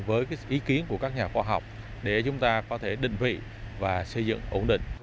với ý kiến của các nhà khoa học để chúng ta có thể định vị và xây dựng ổn định